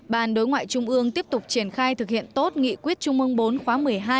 ban đối ngoại trung ương tiếp tục triển khai thực hiện tốt nghị quyết trung ương bốn khóa một mươi hai